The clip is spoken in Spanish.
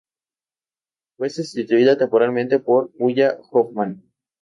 Fue sustituida temporalmente por Ulla Hoffmann.